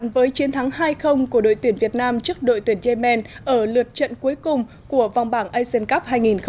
với chiến thắng hai của đội tuyển việt nam trước đội tuyển j man ở lượt trận cuối cùng của vòng bảng asian cup hai nghìn một mươi chín